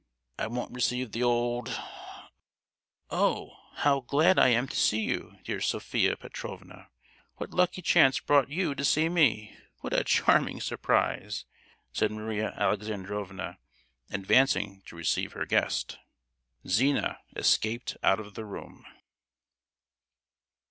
I won't receive the old —— Oh! how glad I am to see you, dear Sophia Petrovna. What lucky chance brought you to see me? What a charming surprise!" said Maria Alexandrovna, advancing to receive her guest. Zina escaped out of the room.